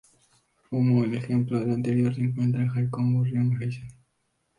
Como ejemplo de lo anterior se encuentran 隼, ‘halcón’; 雀, ‘gorrión’; 雉, ‘faisán’.